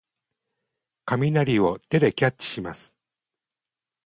雷を手でキャッチします。